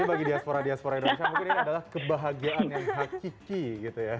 ini bagi diaspora diaspora indonesia mungkin ini adalah kebahagiaan yang hakiki gitu ya